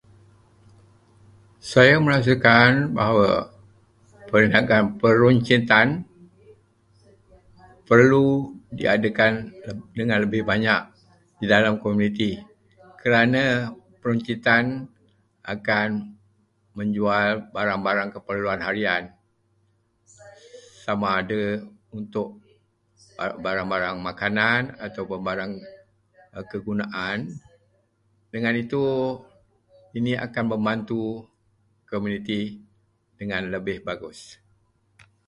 Saya merasakan bahawa perniagaan peruncitan perlu diadakan dengan lebih banyak di dalam komuniti kerana peruncitan akan menjual barang-barang keperluan harian, sama ada untuk barang-barang makanan, ataupun barang kegunaan. Dengan itu, ini akan membantu komuniti dengan lebih bagus.